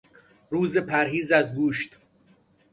روز پرهیز از گوشت